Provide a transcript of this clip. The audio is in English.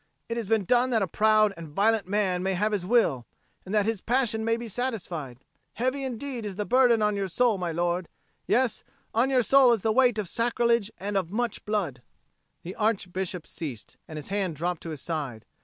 It has been done that a proud and violent man may have his will, and that his passion may be satisfied. Heavy indeed is the burden on your soul my lord; yes, on your soul is the weight of sacrilege and of much blood." The Archbishop ceased, and his hand dropped to his side.